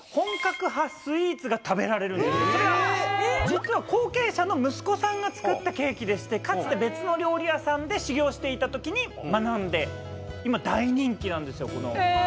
実は後継者の息子さんが作ったケーキでしてかつて別の料理屋さんで修業していたときに学んで今大人気なんですよこの。